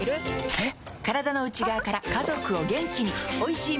えっ？